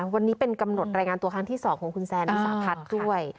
วันนี้เป็นกำหนดรายงานตัวครั้งที่๒ของคุณแซนวิสาพัฒน์ด้วย